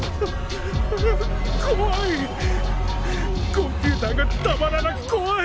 コンピューターがたまらなく怖い！